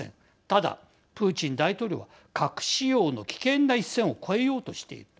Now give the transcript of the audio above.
ただ、プーチン大統領は核使用の危険な一線を越えようとしている。